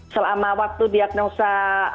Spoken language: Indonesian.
selama waktu diagnosa